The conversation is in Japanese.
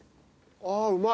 ああうまい。